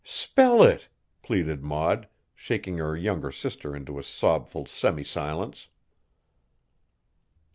"Spell it!" pleaded Maud, shaking her younger sister into a sobful semi silence.